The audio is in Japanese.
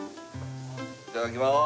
いただきます！